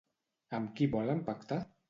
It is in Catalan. Amb qui volen pactar?